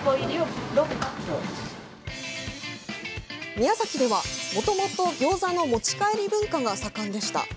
宮崎では、もともとギョーザの持ち帰り文化が盛んでした。